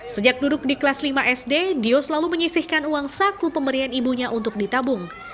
sejak duduk di kelas lima sd dio selalu menyisihkan uang saku pemberian ibunya untuk ditabung